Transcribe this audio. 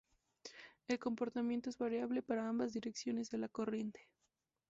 El comportamiento es variable para ambas direcciones de la corriente.